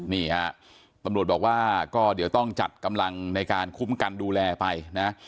นี่ฮะตำรวจบอกว่าก็เดี๋ยวต้องจัดกำลังในการคุ้มกันดูแลไปนะ